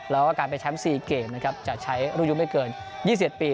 แล้วก็การไปแชมป์๔เกมนะครับจะใช้รุ่นยุคไม่เกิน๒๑ปี